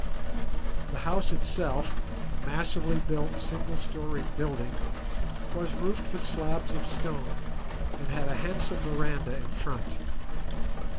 The house itself, a massively built single storied building, was roofed with slabs of stone, and had a handsome veranda in front.